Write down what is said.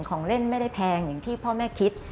ของเล่นไม่ได้แพงอย่างที่พ่อแม่คิด